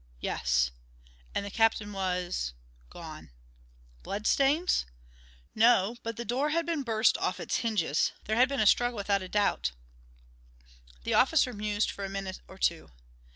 "Yes." "And the captain was " "Gone." "Blood stains?" "No, but the door had been burst off its hinges. There had been a struggle without a doubt." The officer mused for a minute or two.